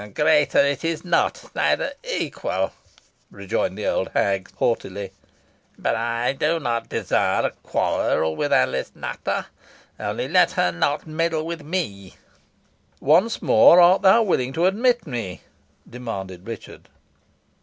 "Greater it is not neither equal," rejoined the old hag, haughtily; "but I do not desire a quarrel with Alice Nutter. Only let her not meddle with me." "Once more, art thou willing to admit me?" demanded Richard.